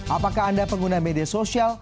apakah anda pengguna media sosial